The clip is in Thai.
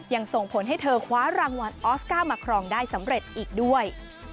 ส่งผลให้เธอคว้ารางวัลออสการ์มาครองได้สำเร็จอีกด้วย